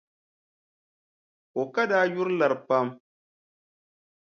O ka daa yuri lari pam.